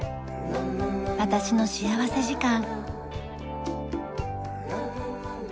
『私の幸福時間』。